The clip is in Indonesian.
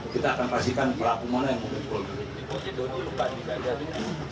kita akan pastikan pelaku mana yang memukul